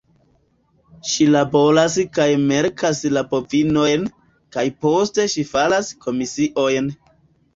Ŝi laboras kaj melkas la bovinojn, kaj poste ŝi faras komisiojn.